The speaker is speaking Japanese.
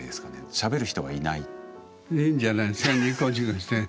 しゃべる人がいない。